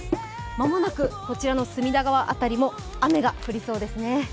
間もなくこちらの隅田川辺りも雨が降りそうですね。